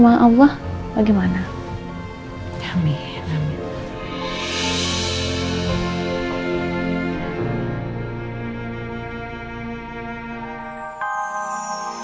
malah kamu aku manfaat se croatia